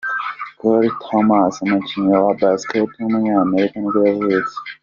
Kurt Thomas, umukinnyi wa Basketball w’umunyamerika nibwo yavutse.